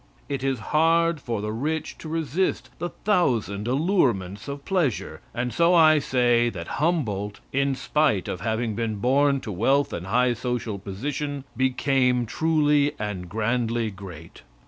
It is hard for the rich to resist the thousand allurements of pleasure, and so I say that Humboldt, in spite of having been born to wealth and high social position, became truly and grandly great.